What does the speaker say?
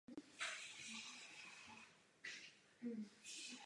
Pod jeho kořeny sídlí čtyři hadi.